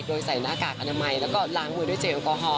โดยใส่หน้ากากอนามัยแล้วก็ล้างมือด้วยเจลแอลกอฮอล